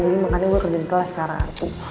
jadi makanya gua kerja di kelas sekarang